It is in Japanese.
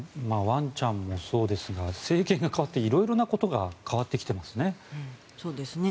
ワンちゃんもそうですが政権が代わって色々なことが変わってきていますね。